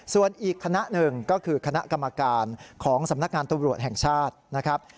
ส่วนอีกคณะหนึ่งก็คือคณะกรรมการของสำนักงานตำรวจแห่งชาตินะครับ